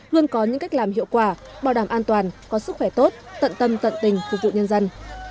luôn có những cách làm hiệu quả bảo đảm an toàn có sức khỏe tốt tận tâm tận tình phục vụ nhân dân